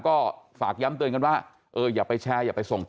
ก็ฝากย้ำเตือนกันว่าเอออย่าไปแชร์อย่าไปส่งต่อ